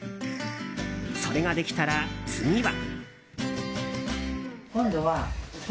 それができたら、次は。